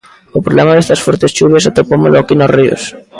O problema destas fortes chuvias atopámolo aquí nos ríos.